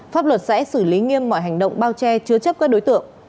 pháp luật sẽ xử lý nghiêm mọi hành động bao che chứa chấp các đối tượng